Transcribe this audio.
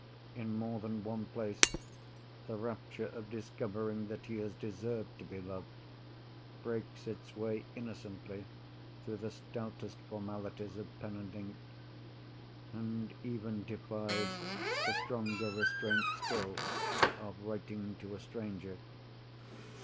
In more than one place the rapture of discovering that he has deserved to be loved, breaks its way innocently through the stoutest formalities of pen and ink, and even defies the stronger restraint still of writing to a stranger.